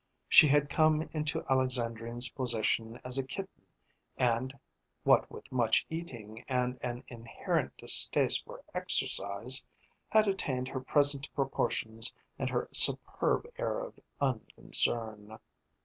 She had come into Alexandrine's possession as a kitten, and, what with much eating and an inherent distaste for exercise, had attained her present proportions and her superb air of unconcern.